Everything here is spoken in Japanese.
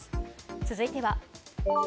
続いては。